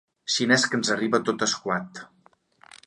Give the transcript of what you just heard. Xinès que ens arriba tot escuat.